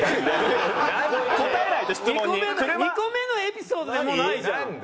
２個目のエピソードでもうないじゃん。